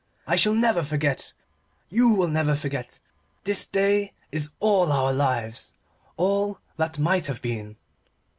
I shall never forget. You will never forget. This day is all our lives all that might have been."